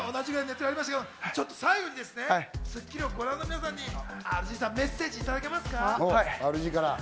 最後に『スッキリ』をご覧の皆様にＲＧさん、メッセージいただけますか？